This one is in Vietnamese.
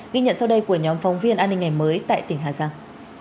ghi nhận sau đây của nhóm phóng viên an ninh ngày mới tại tỉnh hà giang